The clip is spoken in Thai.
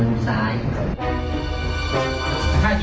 เป็นร่วมตัวโรงพยาบาล